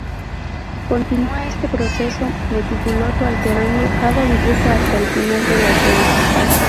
Continua este proceso meticuloso alterando cada dibujo hasta el final de la escena.